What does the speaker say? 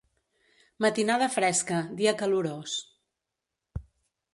Matinada fresca, dia calorós.